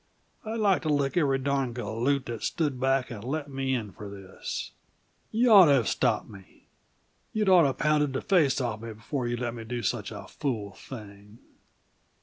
I'd like to lick every darned galoot that stood back and let me in for this. You'd ought to have stopped me. You'd oughta pounded the face off me before you let me do such a fool thing.